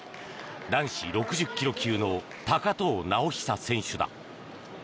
男子６０ｋｇ級の高藤直寿選手だ。